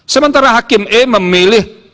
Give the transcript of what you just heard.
sementara hakim e memilih